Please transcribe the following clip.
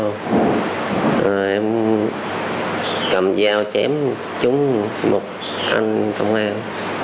em cầm dao chém trúng một anh công an